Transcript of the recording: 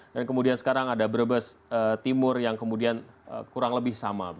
dan kemudian sekarang ada brebes timur yang kemudian kurang lebih sama